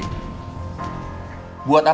aku mau ngerti